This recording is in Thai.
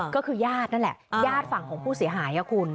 ก็คือญาตินั่นแหละญาติฝั่งของผู้เสียหายคุณ